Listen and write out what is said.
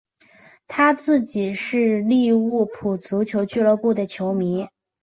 他自己是利物浦足球俱乐部的球迷。